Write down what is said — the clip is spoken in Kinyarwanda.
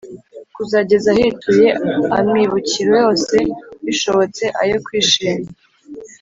kuzageza ahetuye amibukiro yose bishobotse ayo kwishima